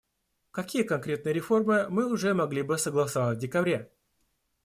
Какие конкретные реформы мы уже могли бы согласовать в декабре?